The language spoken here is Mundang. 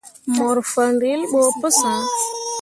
Ŋmorŋ fan relbo pu sãã.